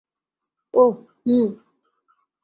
ওহ, হুম!